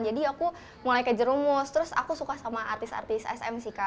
jadi aku mulai kejerumus terus aku suka sama artis artis sm sih kak